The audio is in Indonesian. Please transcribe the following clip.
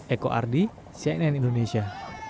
eko ardi cnn indonesia